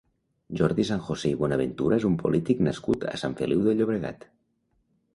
Jordi San José i Buenaventura és un polític nascut a Sant Feliu de Llobregat.